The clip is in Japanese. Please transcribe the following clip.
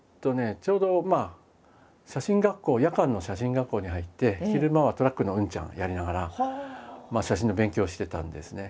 ちょうど写真学校夜間の写真学校に入って昼間はトラックの運ちゃんをやりながら写真の勉強をしてたんですね。